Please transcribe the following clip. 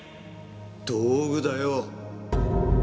道具だよ。